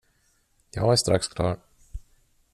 Jag är strax klar.